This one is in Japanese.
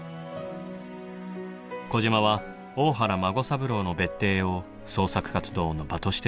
児島は大原孫三郎の別邸を創作活動の場として使っていたのです。